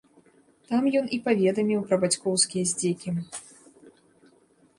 Там ён і паведаміў пра бацькоўскія здзекі.